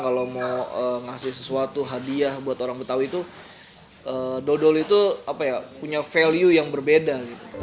kalau mau ngasih sesuatu hadiah buat orang betawi itu dodol itu punya value yang berbeda